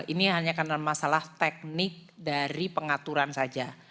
ini hanya karena masalah teknik dari pengaturan saja